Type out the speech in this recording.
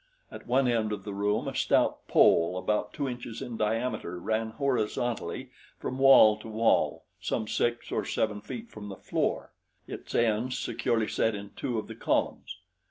At one end of the room a stout pole about two inches in diameter ran horizontally from wall to wall some six or seven feet from the floor, its ends securely set in two of the columns.